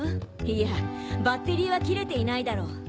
いやバッテリーは切れていないだろ？